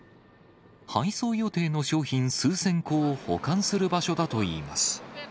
配送予定の商品数千個を保管する場所だといいます。